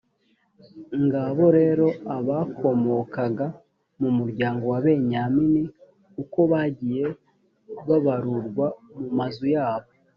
ngabo rero abakomokaga mu muryango wa benyamini uko bagiye babarurwa mu mazu yabo.